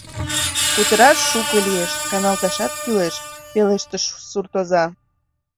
— Кутыраш шуко лиеш, каналташат кӱлеш, — пелештыш суртоза.